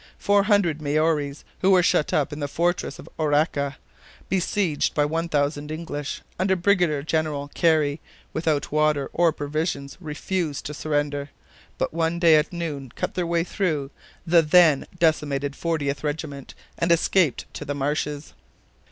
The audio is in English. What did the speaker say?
Four hundred Maories who were shut up in the fortress of Orakau, besieged by 1,000 English, under Brigadier General Carey, without water or provisions, refused to surrender, but one day at noon cut their way through the then decimated 40th Regiment, and escaped to the marshes."